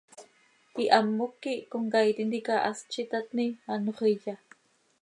Ihamoc quih comcaii tintica hast z itatni, anxö iya.